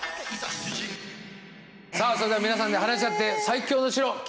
さあそれでは皆さんで話し合って最強の城決めて下さい。